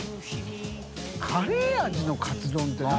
カレー味のかつ丼って何？